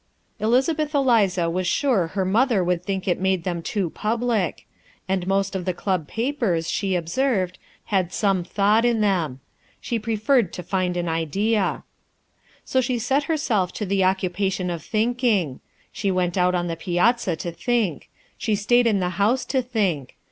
Elizabeth Eliza was sure her mother would think it made them too public; and most of the Club papers, she observed, had some thought in them. She preferred to find an idea. So she set herself to the occupation of thinking. She went out on the piazza to think; she stayed in the house to think.